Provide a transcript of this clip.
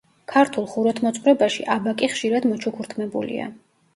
ქართულ ხუროთმოძღვრებაში აბაკი ხშირად მოჩუქურთმებულია.